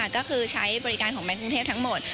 ก็คือใช้บริการของแบงค์กรุงเทพทั้งหมด